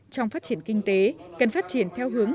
trong phát triển kinh tế cần phát triển theo hướng